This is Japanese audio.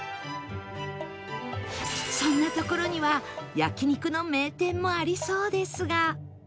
そんな所には焼肉の名店もありそうですが